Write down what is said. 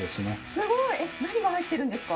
すごい！何が入ってるんですか？